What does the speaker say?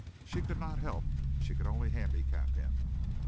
She could not help, could only handicap him.